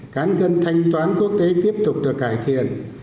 cán cân thanh toán quốc tế tiếp tục được cải thiện